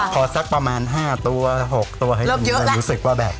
พอซักประมาณ๕๖ตัวให้รู้สึกว่าแบบ